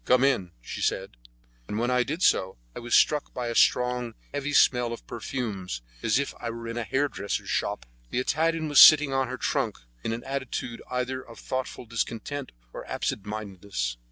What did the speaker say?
"Come in," she said, and when I did so I was struck by a strong, heavy smell of perfumes, as if I were in a hairdresser's shop. The Italian was sitting on her trunk in an attitude either of thoughtful discontent or absent mindedness.